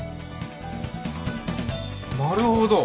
なるほど。